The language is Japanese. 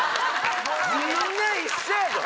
みんな一緒やぞ！